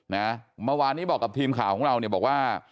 เมื่อวานนี้บอกกับทีมข่าวของเราเนี่ยบอกว่า